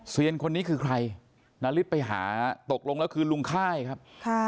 คนนี้คือใครนาริสไปหาตกลงแล้วคือลุงค่ายครับ